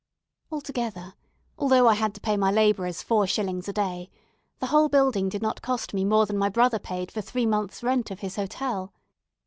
Altogether, although I had to pay my labourers four shillings a day, the whole building did not cost me more than my brother paid for three months' rent of his hotel.